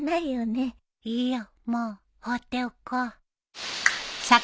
いいよもう放っておこう。